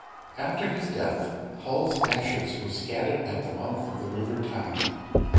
After his death, Hull's ashes were scattered at the mouth of the River Tyne.